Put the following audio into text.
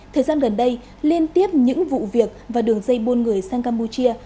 thời gian gần đây liên tiếp những vụ việc và đường dây buôn người sang campuchia